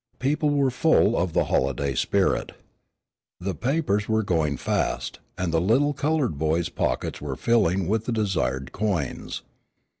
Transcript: People were full of the holiday spirit. The papers were going fast, and the little colored boy's pockets were filling with the desired coins.